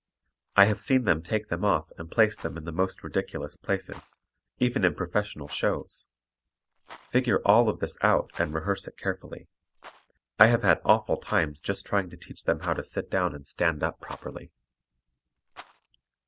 I have seen them take them off and place them in the most ridiculous places, even in professional shows. Figure all of this out and rehearse it carefully. I have had awful times just trying to teach them to sit down and stand up properly.